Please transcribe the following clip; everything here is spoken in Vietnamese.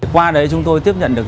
qua đấy chúng tôi tiếp nhận được